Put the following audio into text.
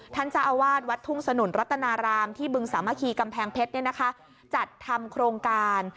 ท่านเจ้าอาวาสวัดทุ่งสนุนรัตนารามที่บึงสามัคคีกำแพงเพชรจัดทำโครงการ